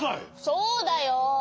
そうだよ。